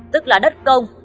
tức là đất công